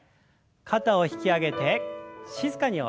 肩を引き上げて静かに下ろして。